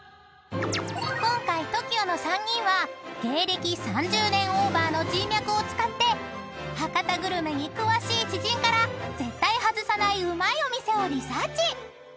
［今回ＴＯＫＩＯの３人は芸歴３０年オーバーの人脈を使って博多グルメに詳しい知人から絶対外さないうまいお店をリサーチ！］